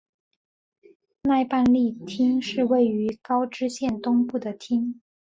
奈半利町是位于高知县东部的町。